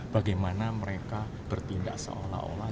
bagaimana mereka bertindak seolah olah